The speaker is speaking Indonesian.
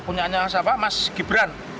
punyanya siapa mas gibran